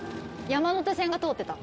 山手線が通ってた。